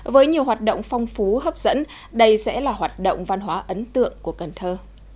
với nhiều hoạt động phong phú hấp dẫn đây sẽ là hoạt động văn hóa ấn tượng của cần thơ